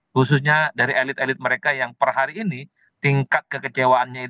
khususnya dari elit elit mereka yang per hari ini tingkat kekecewaannya itu